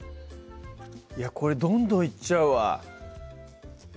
これどんどんいっちゃうわ